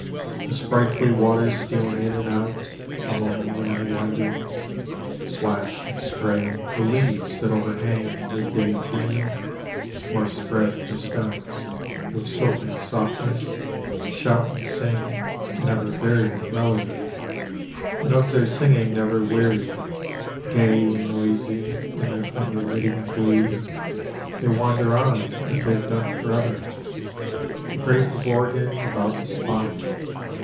The sprightly waters stealing in and out Among the many windings, splash and spray The leaves that overhang in mid day dream; O'erspread the stones with silken softness, shout And sing an ever varied melody, And of their singing never weary; gay And noisy in their unremitting glee They wander on as they have done forever. The grape of Oregon, about the spot.